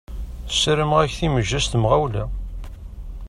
Sarameɣ-ak timejja s temɣawla.